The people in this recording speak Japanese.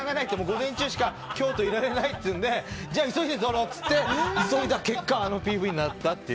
午前中しか京都いられないっていうんで急いで撮ろうって急いだ結果あのＰＶになったという。